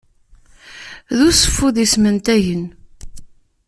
D useffud yesmentagen.